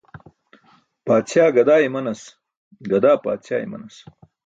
Paadśaa gadaa imanas, gadaa paadśaa imanas.